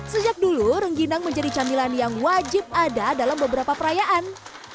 sejak dulu rengginang menjadi camilan yang wajib ada dalam beberapa perayaan